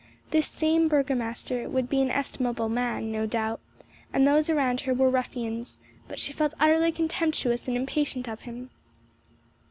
This same burgomaster would be an estimable man, no doubt, and those around her were ruffians, but she felt utterly contemptuous and impatient of him.